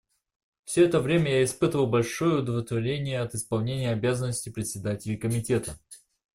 Все это время я испытывал большое удовлетворение от исполнения обязанностей Председателя Комитета.